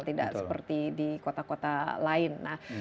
tidak seperti di kota kota lain